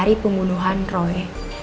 dari pengunduhan roy